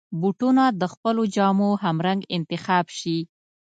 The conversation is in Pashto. بوټونه د خپلو جامو همرنګ انتخاب شي.